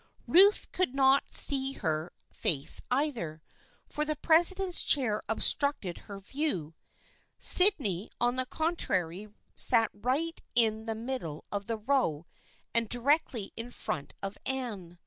Ruth could not see her face either, for the president's chair obstructed her view. Sydney, on the contrary, sat right in the middle of the row and directly in front of Anne.